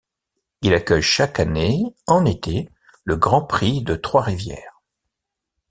Il accueille chaque année, en été, le Grand Prix de Trois-Rivières.